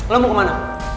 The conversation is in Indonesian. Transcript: lo mau kemana